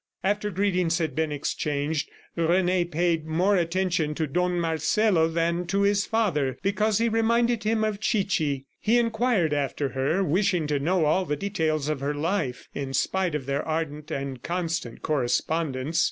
After greetings had been exchanged, Rene paid more attention to Don Marcelo than to his father, because he reminded him of Chichi. He inquired after her, wishing to know all the details of her life, in spite of their ardent and constant correspondence.